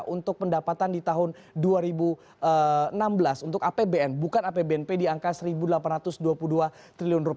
untuk pendapatan di tahun dua ribu enam belas untuk apbn bukan apbnp di angka rp satu delapan ratus dua puluh dua triliun